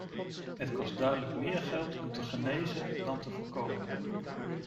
Het kost duidelijk meer geld om te genezen dan te voorkomen.